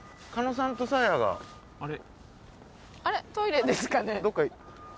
トイレですかね？